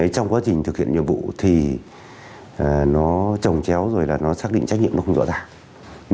trong quá trình thực hiện nhiệm vụ thì nó trồng chéo rồi là nó xác định trách nhiệm nó không rõ ràng